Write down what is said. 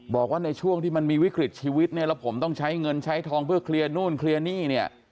บอกว่าในช่วงที่มันมีวิกฤตชีวิตเนี่ยแล้วผมต้องใช้เงินใช้ทองเพื่อเคลียร์นู่นเคลียร์หนี้เนี่ย